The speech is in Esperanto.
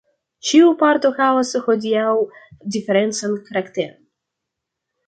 Ĉiu parto havas hodiaŭ diferencan karakteron.